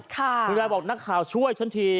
คุณยายบอกนักข่าวช่วยฉันที